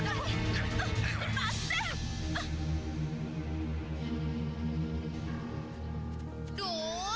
kamu kurang ajar